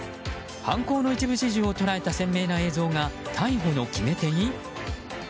犯行の一部始終を捉えた鮮明な映像が逮捕の決め手に？